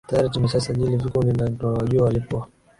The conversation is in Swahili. tayari tumeshasajili vikundi na tunawajua walipo